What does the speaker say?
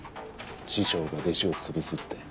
師匠が弟子を潰すって。